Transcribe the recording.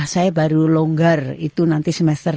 saya baru longgar itu nanti semester